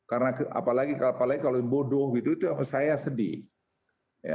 apalagi kalau bodoh itu saya sedih